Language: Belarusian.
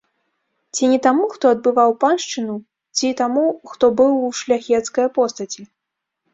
Ці не таму, хто адбываў паншчыну, ці таму, хто быў у шляхецкае постаці?